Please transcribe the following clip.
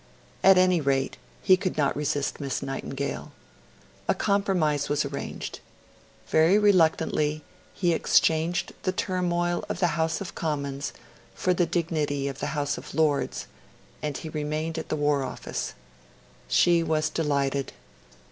At any rate, he could not resist Miss Nightingale. A compromise was arranged. Very reluctantly, he exchanged the turmoil of the House of Commons for the dignity of the House of Lords, and he remained at the War Office. She was delighted.